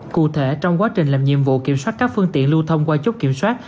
cụ thể trong quá trình làm nhiệm vụ kiểm soát các phương tiện lưu thông qua chốt kiểm soát